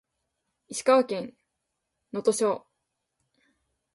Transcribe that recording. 石川県能登町